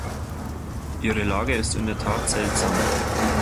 Ihre Lage ist in der Tat seltsam.